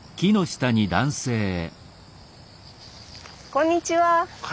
こんにちは。